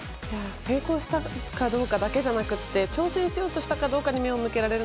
成功したかどうかだけじゃなくて挑戦しようとしたかどうかに目を向けられる